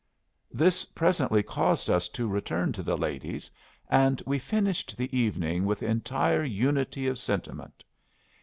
This presently caused us to return to the ladies, and we finished the evening with entire unity of sentiment.